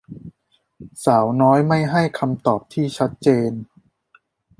สาวน้อยไม่ให้คำตอบที่ชัดเจน